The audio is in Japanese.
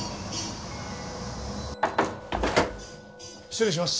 失礼します。